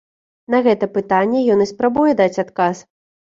На гэта пытанне ён і спрабуе даць адказ.